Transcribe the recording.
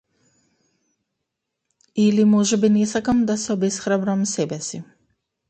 Или можеби не сакам да се обесхрабрам себеси.